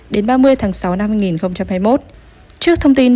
trước thông tin chủ tịch ủy ban nhân dân